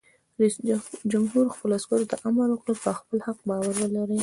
رئیس جمهور خپلو عسکرو ته امر وکړ؛ پر خپل حق باور ولرئ!